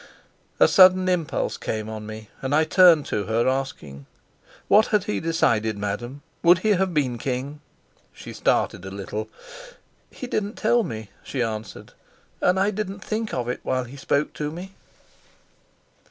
A sudden impulse came on me, and I turned to her, asking: "What had he decided, madam? Would he have been king?" She started a little. "He didn't tell me," she answered, "and I didn't think of it while he spoke to me."